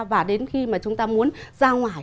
và đến khi mà chúng ta muốn ra ngoài